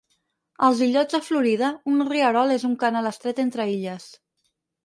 Als illots de Florida, un rierol és un canal estret entre illes.